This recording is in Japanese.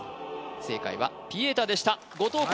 正解はピエタでした後藤弘